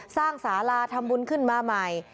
สาราทำบุญขึ้นมาใหม่